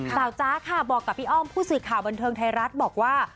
จ๊ะค่ะบอกกับพี่อ้อมผู้สื่อข่าวบันเทิงไทยรัฐบอกว่า